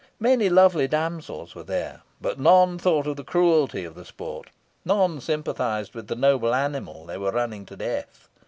Many lovely damsels were there, but none thought of the cruelty of the sport none sympathised with the noble animal they were running to death.